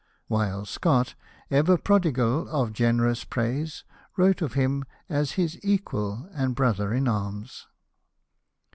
While Scott, ever prodigal of generous praise, wrote of him as his equal and brother in arms.